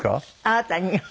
あなたによ。